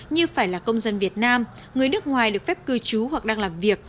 như phải là công dân việt nam người nước ngoài được phép cư trú hoặc đang làm việc